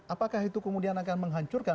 apakah itu kemudian akan menghancurkan